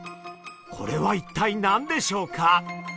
これは一体何でしょうか？